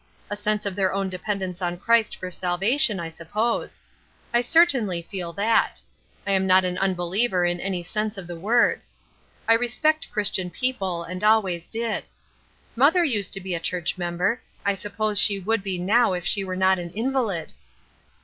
A sense of their own dependence on Christ for salvation I suppose. I certainly feel that. I am not an unbeliever in any sense of the word. I respect Christian people, and always did. Mother used to be a church member; I suppose she would be now if she were not an invalid.